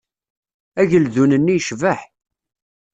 Ageldun-nni yecbeḥ.